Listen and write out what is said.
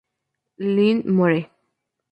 Lynn muere.